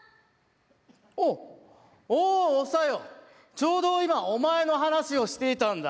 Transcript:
ちょうど今お前の話をしていたんだ。